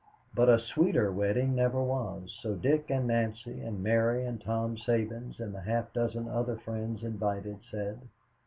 But a sweeter wedding never was, so Dick and Nancy and Mary and Tom Sabins and the half dozen other friends invited said.